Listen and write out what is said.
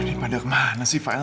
aduh ini pada kemana sih filenya